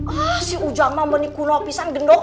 ah si ujang mah menikun opisan gendok